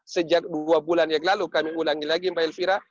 sejak dua bulan yang lalu kami ulangi lagi mbak elvira